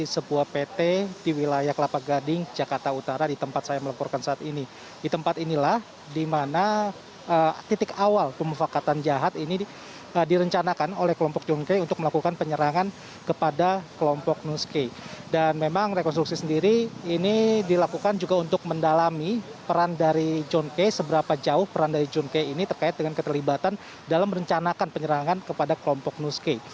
sebenarnya kita tidak tahu seberapa jauh peran dari john k ini terkait dengan keterlibatan dalam merencanakan penyerangan kepada kelompok nus k